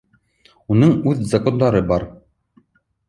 Уның уҙ закондары бар